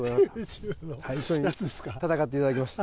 一緒に戦っていただきまして。